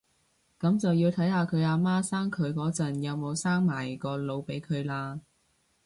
噉就要睇下佢阿媽生佢嗰陣有冇生埋個腦俾佢喇